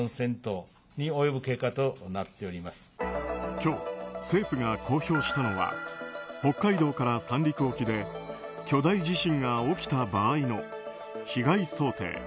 今日、政府が公表したのは北海道から三陸沖で巨大地震が起きた場合の被害想定。